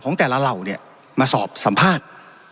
ของแต่ละเหล่าเนี่ยมาสอบสัมภาษณ์